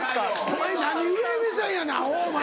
お前何上目線やねんアホお前。